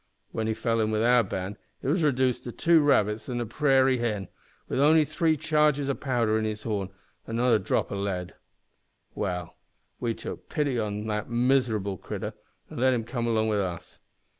When he fell in with our band he was redooced to two rabbits an' a prairie hen, wi' only three charges o' powder in his horn, an' not a drop o' lead. "Well, we tuck pity on the miserable critter, an' let him come along wi' us.